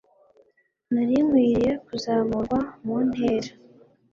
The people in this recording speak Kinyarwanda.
nari nkwiriye kuzamurwa mu ntera